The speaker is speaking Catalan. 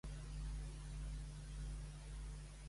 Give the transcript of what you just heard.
Per a qui era important la Dea Matrona potser?